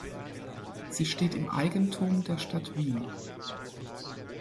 Sie steht im Eigentum der Stadt Wien.